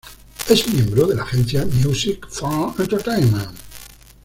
Es miembro de la agencia "Music Farm Entertainment".